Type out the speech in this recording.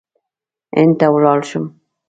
هند ته ولاړ شم.